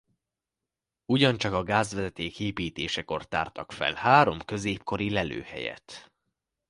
Ugyancsak a gázvezeték építésekor tártak fel három középkori lelőhelyet.